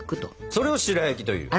それを白焼きというの？